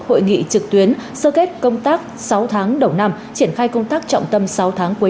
hội nghị trực tuyến sơ kết công tác sáu tháng đầu năm triển khai công tác trọng tâm sáu tháng cuối